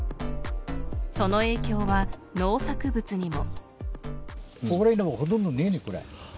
その影響は農作物にも。